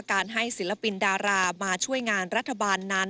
การให้ศิลปินดารามาช่วยงานรัฐบาลนั้น